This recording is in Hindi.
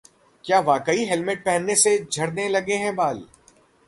क्या वाकई हेलमेट पहनने से झड़ने लगते हैं बाल?